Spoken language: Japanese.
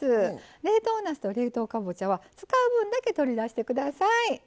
冷凍なすと冷凍かぼちゃは使う分だけ取り出してください。